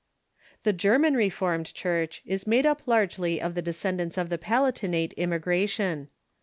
The German Reformed Church is made up largely of the descendants of the Palatinate immigration.